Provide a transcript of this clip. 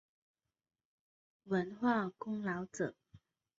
文化功劳者。